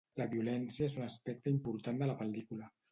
La violència és un aspecte important de la pel·lícula.